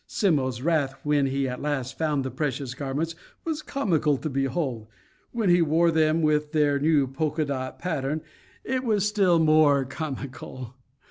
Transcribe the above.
Simmo's wrath when he at last found the precious garments was comical to behold; when he wore them with their new polka dot pattern, it was still more comical.